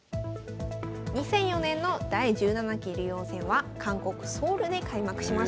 ２００４年の第１７期竜王戦は韓国・ソウルで開幕しました。